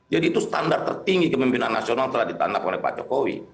jadi itu standar tertinggi kemimpinan nasional telah ditandatangani pak jokowi